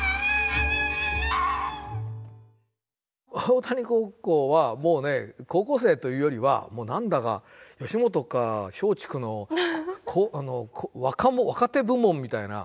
大谷高校はもうね高校生というよりはもう何だか吉本か松竹の若手部門みたいな。